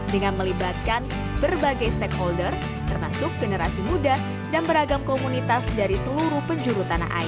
dengan melibatkan berbagai stakeholder termasuk generasi muda dan beragam komunitas dari seluruh penjuru tanah air